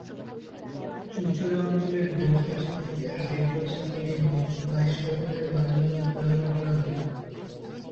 চুঁচুড়া অঞ্চলে ঢোল-কাঁসি থেকে হাঁড়ি-কলসি মিলিয়ে মোট বাইশ রকমের বাদ্যযন্ত্র ব্যবহার করা হতো।